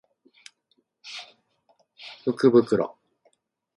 福袋